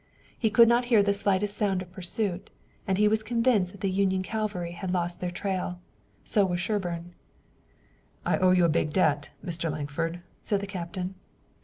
He could not hear the slightest sound of pursuit, and he was convinced that the Union cavalry had lost their trail. So was Sherburne. "We owe you a big debt, Mr. Lankford," said the captain.